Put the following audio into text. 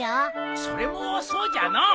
それもそうじゃのう。